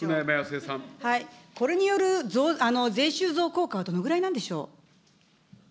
これによる税収増効果はどのぐらいなんでしょう。